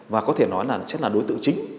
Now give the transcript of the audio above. và có thể nói là sẽ là đối tượng chính